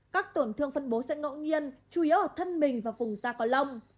các tổn thương phân bố sẽ ngẫu nhiên chủ yếu ở thân mình và vùng da có lông